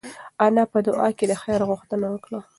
انا په دعا کې د خیر غوښتنه وکړه.